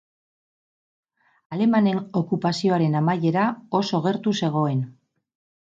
Alemanen okupazioaren amaiera oso gertu zegoen.